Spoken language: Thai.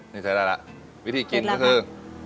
นี่ใช้ได้ล่ะวิธีกินก็คือ